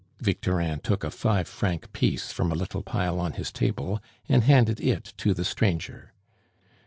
Victorin took a five franc piece from a little pile on his table, and handed it to the stranger.